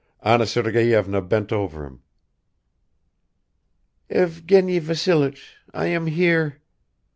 Anna Sergeyevna bent over him. "Evgeny Vassilich, I am here